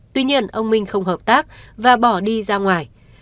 tuy nhiên ông minh không hợp tác và bỏ đi ra ngoài